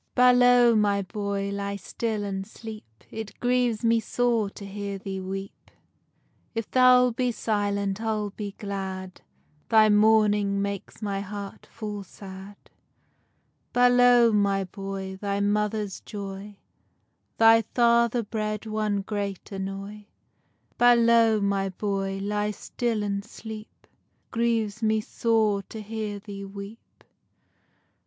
BALOW, my boy, ly still and sleep, It grieves me sore to hear thee weep, If thou'lt be silent, I'll be glad, Thy mourning makes my heart full sad. Balow, my boy, thy mother's joy, Thy father bred one great annoy. Balow, my boy, ly still and sleep, It grieves me sore to hear thee weep.